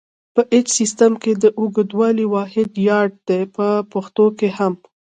په ایچ سیسټم کې د اوږدوالي واحد یارډ دی په پښتو کې هم.